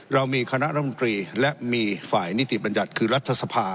เรามีคณะรำตรีและมีฝ่ายนิติบัญญัติคือรัฐสภา